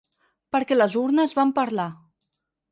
Perquè les urnes van parlar.